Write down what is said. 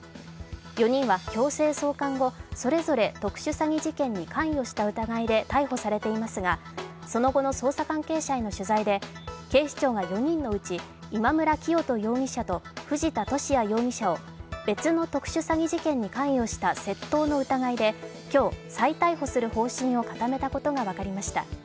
４人は強制送還後、それぞれ特殊詐欺事件に関与した疑いで逮捕されていますがその後の捜査関係者への取材で警視庁が４人のうち、今村磨人容疑者と藤田聖也容疑者を別の特殊詐欺事件に関与した窃盗の疑いで今日、再逮捕する方針を固めたことが分かりました。